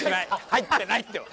入ってないってば！